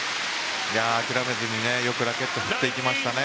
諦めずに、よくラケットを振っていきましたね。